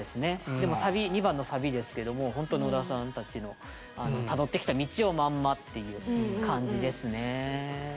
でもサビ２番のサビですけどもほんと野田さんたちのたどってきた道をまんまっていう感じですね。